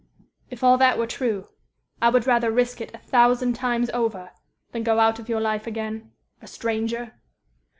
"If all that were true, I would rather risk it a thousand times over than go out of your life again a stranger.